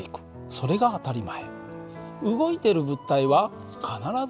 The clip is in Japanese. それが当たり前。